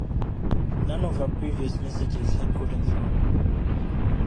None of her previous messages had gotten through.